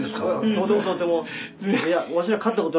とてもとても。